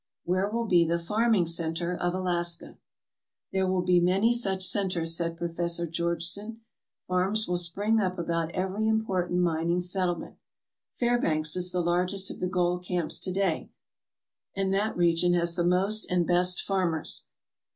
"Where will be the farming centre of Alaska?" "There will be many such centres," said Professor Georgeson. "Farms will spring up about every import ant mining settlement. Fairbanks is the largest of the gold camps to day and that region has the most and best farmers.